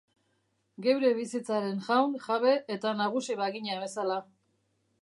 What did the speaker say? Geure bizitzaren jaun, jabe eta nagusi bagina bezala.